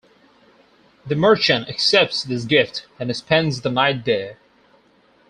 The merchant accepts this gift and spends the night there.